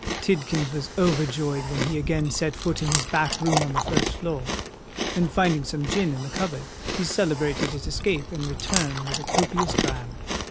Tidkins was overjoyed when he again set foot in his back room on the first floor: and finding some gin in the cupboard, he celebrated his escape and return with a copious dram.